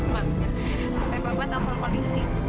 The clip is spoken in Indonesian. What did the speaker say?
pak sampai babat aku akan panggil dengan polisi